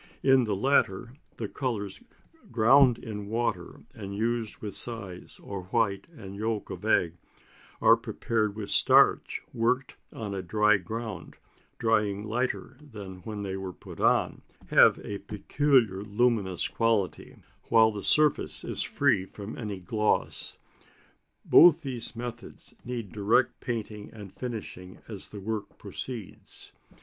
In the latter the colours ground in water and used with size, or white and yolk of egg, or prepared with starch, worked on a dry ground, drying lighter than when they are put on, have a peculiar luminous quality, while the surface is free from any gloss. Both these methods need direct painting and finishing as the work proceeds.